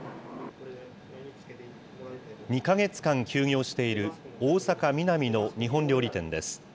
２か月間休業している、大阪・ミナミの日本料理店です。